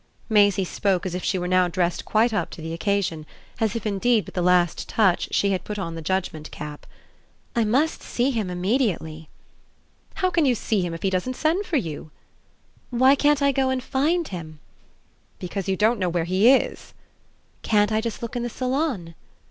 Maisie spoke as if she were now dressed quite up to the occasion; as if indeed with the last touch she had put on the judgement cap. "I must see him immediately." "How can you see him if he doesn't send for you?" "Why can't I go and find him?" "Because you don't know where he is." "Can't I just look in the salon?"